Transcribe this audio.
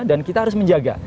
dan kita harus menjaga